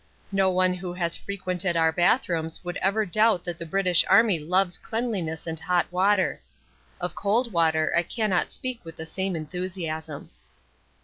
No one who has frequented our bathrooms would ever doubt that the British Army loves cleanliness and hot water. Of cold water I cannot speak with the same enthusiasm.